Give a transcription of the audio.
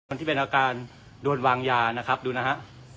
ที่เป็นอาการโดนวางยานะครับดูนะฮะ